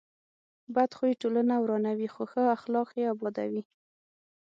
بد خوی ټولنه ورانوي، خو ښه اخلاق یې ابادوي.